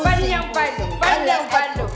panjang panjang panjang panjang